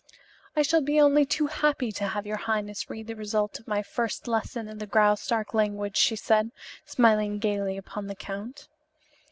"I shall be only too happy to have your highness read the result of my first lesson in the Graustark language," she said, smiling gaily upon the count.